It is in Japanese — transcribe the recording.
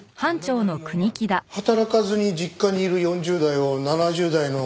働かずに実家にいる４０代を７０代の親が面倒を見る。